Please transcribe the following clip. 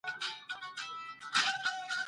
دوی باید له خپلو حقونو خبر شي.